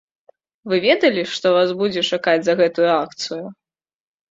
Вы ведалі, што вас будзе чакаць за гэтую акцыю.